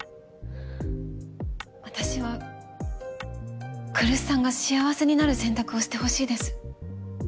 私は来栖さんが幸せになる選択をしてほしいです。